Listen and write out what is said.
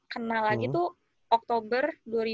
kena lagi tuh oktober dua ribu sembilan belas